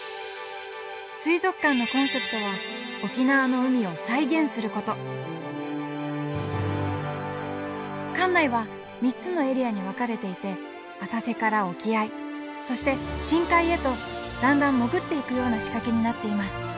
水族館のコンセプトは沖縄の海を再現すること館内は３つのエリアに分かれていて浅瀬から沖合そして深海へとだんだん潜っていくような仕掛けになっています。